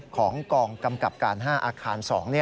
ของกองกำกับการ๕อาคาร๒